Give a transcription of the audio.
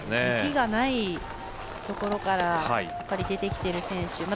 雪がないところから出てきている選手。